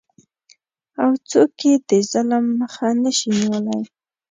او څوک یې د ظلم مخه نشي نیولی؟